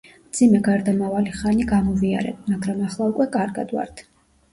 მძიმე გარდამავალი ხანი გამოვიარეთ, მაგრამ ახლა უკვე კარგად ვართ.